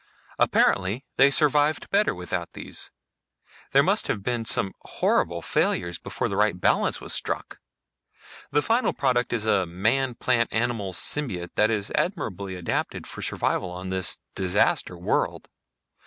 Apparently they survived better without these. There must have been some horrible failures before the right balance was struck. The final product is a man plant animal symbiote that is admirably adapted for survival on this disaster world.